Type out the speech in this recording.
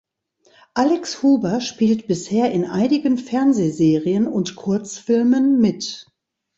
Alex Huber spielt bisher in einigen Fernsehserien und Kurzfilmen mit.